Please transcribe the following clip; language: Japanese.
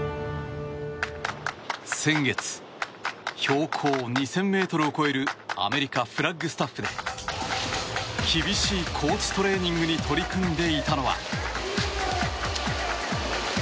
先月、標高２０００ｍを超えるアメリカ・フラッグスタッフで厳しい高地トレーニングに取り組んでいたのは。